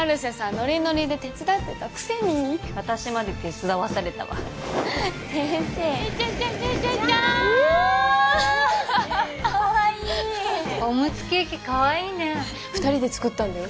ノリノリで手伝ってたくせに私まで手伝わされたわ先生ジャジャジャジャーンうわかわいいおむつケーキかわいいね二人で作ったんだよ